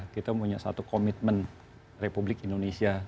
kita punya satu komitmen republik indonesia